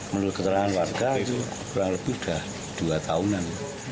menurut keterangan warga itu kurang lebih sudah dua tahunan